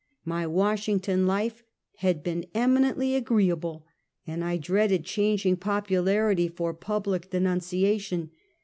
My "Washington life had been eminently agreeable, and I dreaded changing popularity for public denunciation.